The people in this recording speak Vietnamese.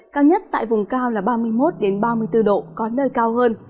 cao nhất tại vùng cao là ba mươi một ba mươi bốn độ có nơi cao hơn